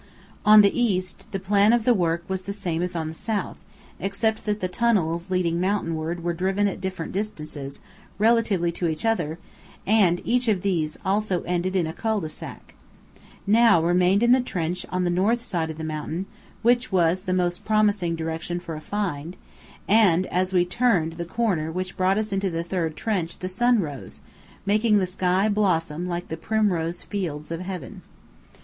On the east, the plan of the work was the same as on the south, except that the tunnels leading mountainward were driven at different distances, relatively to each other; and each of these also ended in a cul de sac. Now remained the trench on the north side of the mountain, which was the most promising direction for a "find": and as we turned the corner which brought us into this third trench the sun rose, making the sky blossom like the primrose fields of heaven.